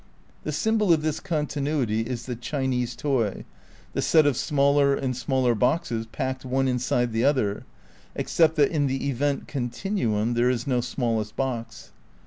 ^ The symbol of this continuity is the "Chinese toy," the set of smaller and smaller boxes packed one inside the other, except that in the event continuum there is no smallest box.